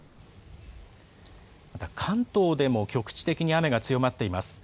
また関東でも局地的に雨が強まっています。